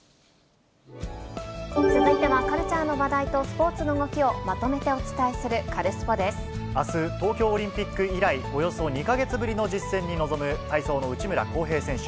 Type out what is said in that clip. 続いてはカルチャーの話題とスポーツの動きをまとめてお伝えあす、東京オリンピック以来、およそ２か月ぶりの実戦に臨む体操の内村航平選手。